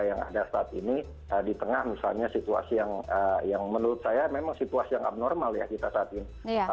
yang ada saat ini di tengah misalnya situasi yang menurut saya memang situasi yang abnormal ya kita saat ini